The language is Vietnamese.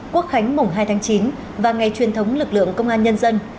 quốc khánh mùng hai tháng chín và ngày truyền thống lực lượng công an nhân dân